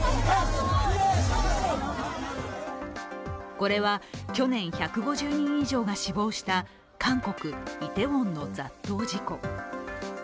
これは去年１５０人以上が死亡した韓国イテウォンの雑踏事故。